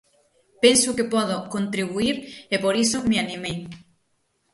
Penso que podo contribuír e por iso me animei.